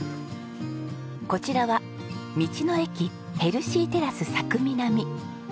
こちらは道の駅ヘルシーテラス佐久南。